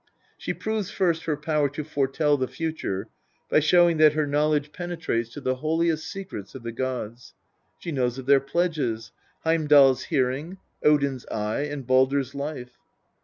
She proves first her power to foretell the future by showing that her knowledge penetrates to the holiest secrets of the gods. She knows of their pledges Heimdal's hearing, Odin's eye, and Baldr's life.